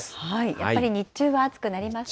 やっぱり日中は暑くなりますね。